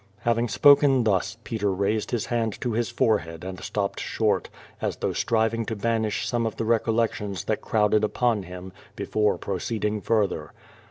Having spoken thus, Peter raised his hand to his forehead and stopped short, as tliough striving to banish some of the recollections that crowded upon him, before proceeding fur ther.